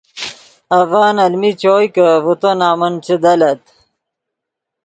اڤن المین چوئے کہ ڤے تو نمن چے دلّت